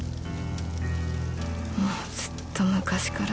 もうずっと昔から。